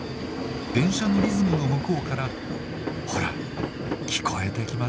電車のリズムの向こうからほら聞こえてきませんか？